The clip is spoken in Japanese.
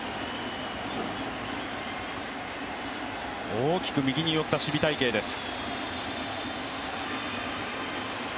大きく右に寄った守備隊形です。